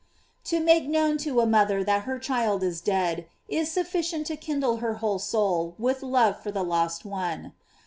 To make known to a mother that her child is dead, is sufficient to kindle her whole soul with love for the lost one.